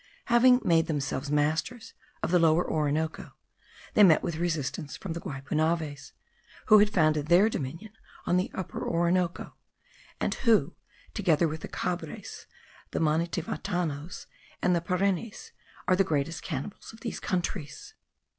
Having made themselves masters of the Lower Orinoco, they met with resistance from the Guaypunaves, who had founded their dominion on the Upper Orinoco; and who, together with the Cabres, the Manitivitanos, and the Parenis, are the greatest cannibals of these countries.